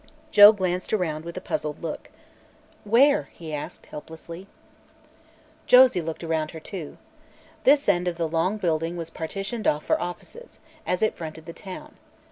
Joe glanced around with a puzzled look. "Where?" he asked helplessly. So Josie looked around her, too. This end of the long building was partitioned off for offices, as it fronted the town.